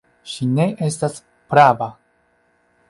Ŝi ne estas prava.